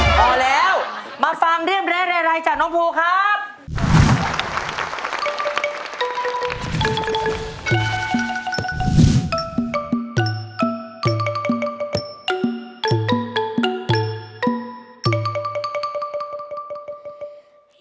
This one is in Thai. พอแล้วมาฟังเรียบร้ายจากน้องภูครับ